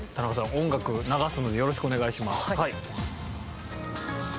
音楽流すのでよろしくお願いします。